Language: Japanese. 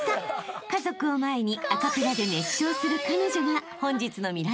［家族を前にアカペラで熱唱する彼女が］